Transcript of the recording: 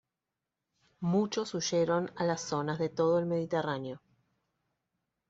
Muchos huyeron a las zonas de todo el Mediterráneo.